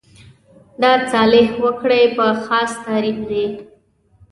دا صالح وګړي په خاص تعریف دي.